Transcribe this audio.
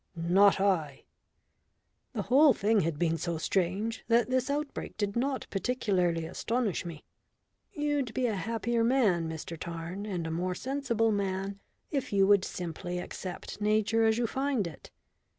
Not I!" The whole thing had been so strange that this outbreak did not particularly astonish me. "You'd be a happier man, Mr Tarn, and a more sensible man, if you would simply accept Nature as you find it.